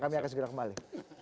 kami akan segera kembali